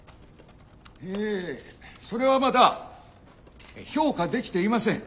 えそれはまだ評価できていません。